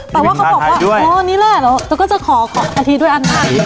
แต่ว่าเขาบอกว่านี้แหละเราก็จะขอกินก่อนทีด้วยอันนี้